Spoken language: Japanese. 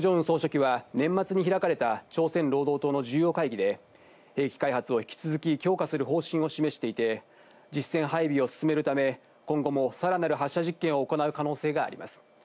総書記は年末に開かれた朝鮮労働党の重要会議で、兵器開発を引き続き強化する方針を示していて実戦配備を進めるため今後もさらなる発射実験を行う可能性があります。